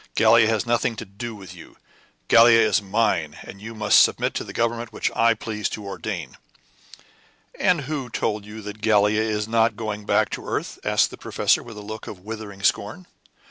Gallia has nothing to do with you. Gallia is mine; and you must submit to the government which I please to ordain." "And who told you that Gallia is not going back to the earth?" asked the professor, with a look of withering scorn.